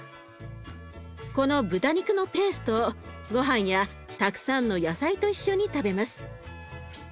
この豚肉のペーストをごはんやたくさんの野菜と一緒に食べます。